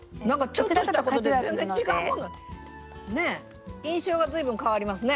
ちょっとしたことで全然違うもんですね印象が随分変わりますね。